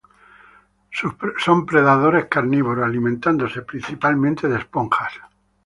Son predadores carnívoros, alimentándose principalmente de esponjas.